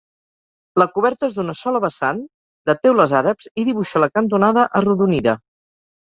La coberta és d'una sola vessant, de teules àrabs i dibuixa la cantonada arrodonida.